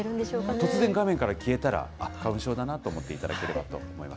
突然、画面から消えたら、あっ、花粉症だなと思っていただければと思います。